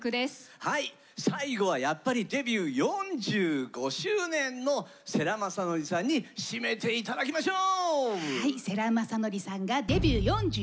はい最後はやっぱりデビュー４５周年の世良公則さんに締めて頂きましょう！